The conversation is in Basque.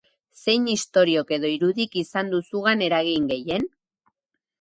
Zein istoriok edo irudik izan du zugan eragin gehien?